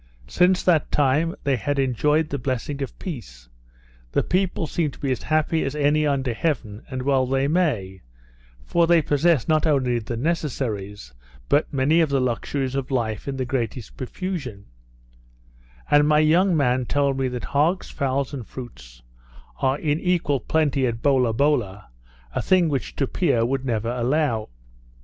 Since that time, they had enjoyed the blessing of peace; the people seemed to be as happy as any under heaven; and well they may, for they possess not only the necessaries, but many of the luxuries of life in the greatest profusion; and my young man told me that hogs, fowls, and fruits, are in equal plenty at Bola bola, a thing which Tupia would never allow.